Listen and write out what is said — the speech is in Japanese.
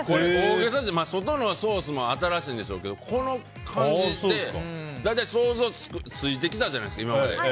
外のソースも新しいんでしょうけどこの感じで大体想像ついてきたじゃないですか今まで。